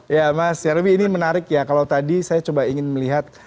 ya mas nyarwi ini menarik ya kalau tadi saya coba ingin melihat